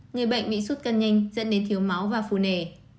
người bệnh bị suốt cân nhanh dẫn đến thiếu máu và phù nề